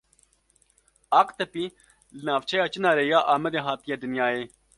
Aqtepî li navçeya Çinarê ya Amedê hatiye dinyayê.